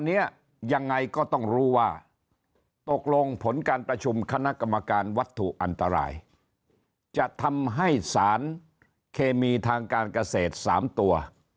เนี้ยยังไงก็ต้องรู้ว่าตกลงผลการประชุมคณะกรรมการวัตถุอันตรายจะทำให้สารเคมีทางการเกษตร๓ตัว